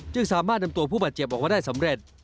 สามารถนำตัวผู้บาดเจ็บออกมาได้สำเร็จ